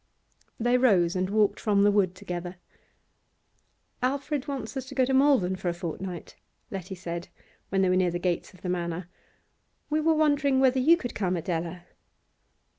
They rose and walked from the wood together. 'Alfred wants us to go to Malvern for a fortnight,' Letty said, when they were near the gates of the Manor. 'We were wondering whether you could come, Adela?